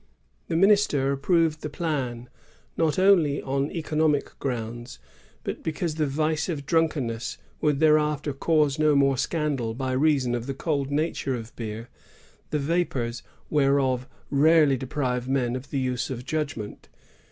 The minister approved the plan, not only on economic grounds, but because " the vice of dnmkenness would thereafter cause no more scandal by reason of the cold nature of beer, the vapors whereof rarely deprive men of the use of judgment."